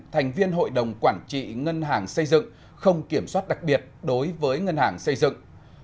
thành viên hội đồng quản trị ngân hàng xây dựng không kiểm soát đặc biệt đối với ngân hàng xây dựng